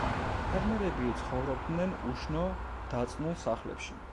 ფერმერები ცხოვრობდნენ უშნო, დაწნულ სახლებში.